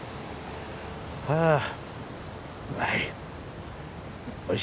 あうまい！